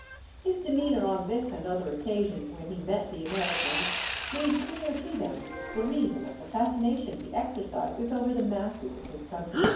His demeanor on this and other occasions when he met the Americans made clear to them the reason of the fascination he exercises over the masses of his countrymen.